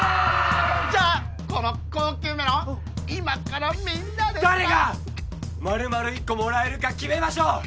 じゃあこの高級メロン今からみんなで誰が丸々一個もらえるか決めましょう！